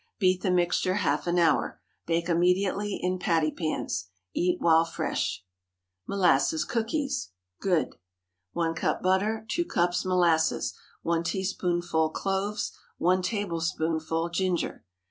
Beat the mixture half an hour. Bake immediately in patty pans. Eat while fresh. MOLASSES COOKIES (Good.) 1 cup butter. 2 cups molasses. 1 teaspoonful cloves. 1 tablespoonful ginger.